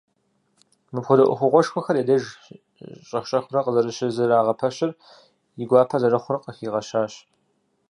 Мыпхуэдэ ӏуэхугъуэшхуэхэр я деж щӏэх-щӏэхыурэ къызэрыщызэрагъэпэщыр и гуапэ зэрыхъур къыхигъэщащ.